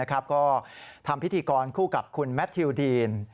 ก็ทำพิธีกรคู่กับคุณแมททิวดีน